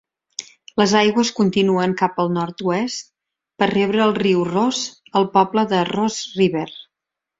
Les aigües continuen cap al nord-oest per rebre el riu Ross al poble de Ross River.